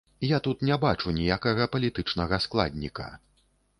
Я тут не бачу ніякага палітычнага складніка.